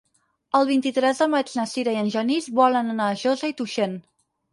El vint-i-tres de maig na Sira i en Genís volen anar a Josa i Tuixén.